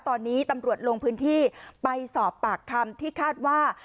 ตอนนี้ตำรวจลงพื้นที่ไปสอบปากคำที่คาดว่า